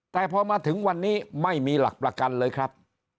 แต่พอมาถึงวันนี้ไม่มีหลักประกันเลยครับ